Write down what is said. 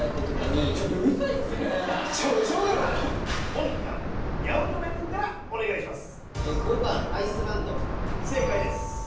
本館八乙女君からお願いします。